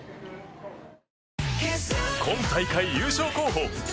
今大会優勝候補